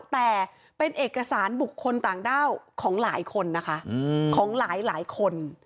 แต่เป็นเอกสารบุคคลต่างด้าวของหลายคนนะคะของหลายคน